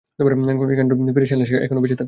কনরেডের ফিরে আসার আশা এখনও বেঁচে থাকল।